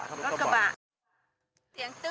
รถกระบะ